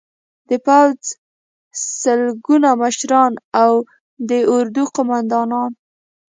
د پوځ سلګونه مشران او د اردو قومندانان